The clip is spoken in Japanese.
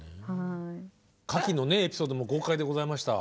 かきのねエピソードも豪快でございました。